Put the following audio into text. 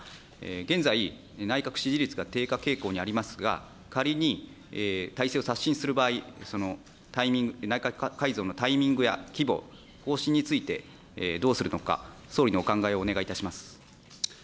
現在、内閣支持率が低下傾向にありますが、仮に体制を刷新する場合、内閣改造のタイミングや規模、方針についてどうするのか、総理のお考えをお願いいたします。